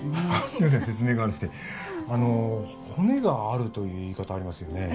すみません説明が悪くてあの「骨がある」という言い方ありますよね？